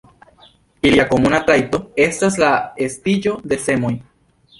Ilia komuna trajto estas la estiĝo de semoj.